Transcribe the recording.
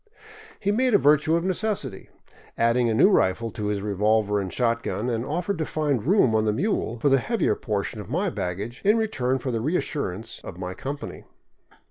He made a virtue of necessity, added a new rifle to his revolver and shot gun, and offered to find room on the mule for the heavier portion of my baggage in return for the reassurance of my company.